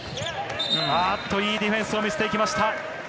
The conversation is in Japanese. いいディフェンスを見せていきました。